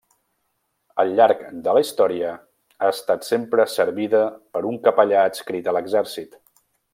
Al llarg de la història ha estat sempre servida per un capellà adscrit a l'exèrcit.